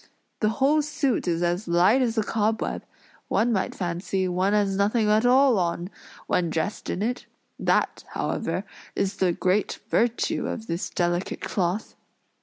The whole suit is as light as a cobweb; one might fancy one has nothing at all on, when dressed in it; that, however, is the great virtue of this delicate cloth."